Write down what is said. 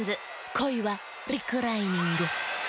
「こいはリクライニング」。